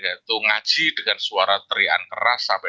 tapi anda bisa mencoba mencoba berhenti